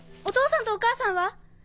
お父さんとお母さんは？